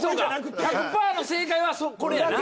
１００パーの正解はこれやな。